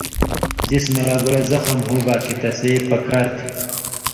جسم لا گولہ زخم ہُوگا کھیں تسے پکار تھی